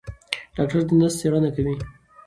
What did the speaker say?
ډاکټره د نسج څېړنه کوي.